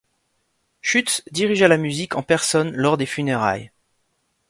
Schütz dirigea la musique en personne lors des funérailles.